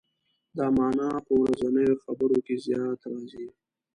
دا معنا په ورځنیو خبرو کې زیات راځي.